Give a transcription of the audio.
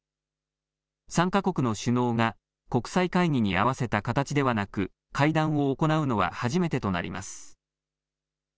３か国の首脳が国際会議に合わせた形ではなく会談を行うのは初めてとなります。